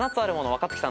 若槻さん